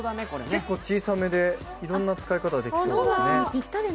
結構小さめでいろんな使い方ができそうですね。